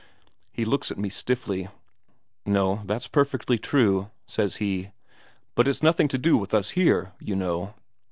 He looks at me stiffly. 'No, that's perfectly true,' says he. 'But it's nothing to do with us here, you know.'